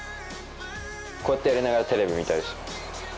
こうってやりながらテレビ見たりします。